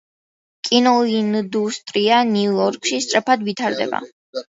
კინოინდუსტრია ნიუ-იორკში სწარფად ვითარდება.